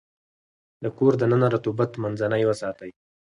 د کور دننه رطوبت منځنی وساتئ.